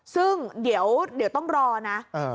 ซึ่งเดี๋ยวเดี๋ยวต้องรอนะเออ